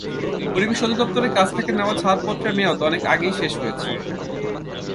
পরিবেশ অধিদপ্তরের কাছ থেকে নেওয়া ছাড়পত্রের মেয়াদ অনেক আগেই শেষ হয়েছে।